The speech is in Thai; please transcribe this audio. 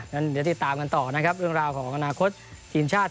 นั้นเดี๋ยวติดตามกันต่อนะครับเรื่องราวของอนาคตทีมชาติ